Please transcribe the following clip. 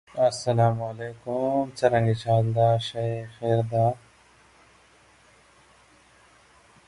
Both attended at Saint Patrick's College, Strathfield.